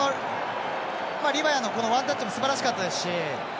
リバヤのワンタッチもすばらしかったですし。